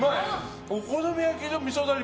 お好み焼きとみそダレ